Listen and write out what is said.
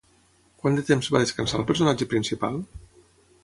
Quant de temps va descansar el personatge principal?